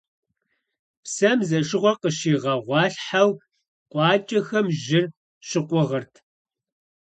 Псэм зэшыгъуэр къыщӀигъэгъуалъхьэу къуакӀэхэм жьыр щыкъугъырт.